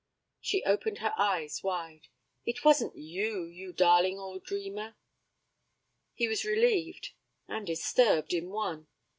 She opened her eyes wide. 'It wasn't you, you darling old dreamer.' He was relieved and disturbed in one.